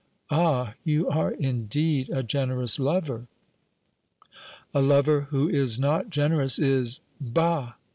"Ah, you are indeed a generous lover!" "A lover who is not generous is bah!